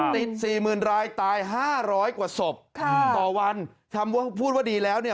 ติด๔๐๐๐๐รายตาย๕๐๐กว่าศพต่อวันพูดว่าดีแล้วเนี่ย